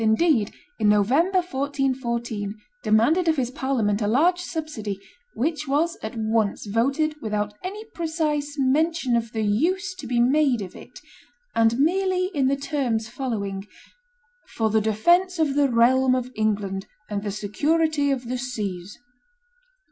indeed, in November, 1414, demanded of his Parliament a large subsidy, which was at once voted without any precise mention of the use to be made of it, and merely in the terms following: "For the defence of the realm of England and the security of the seas."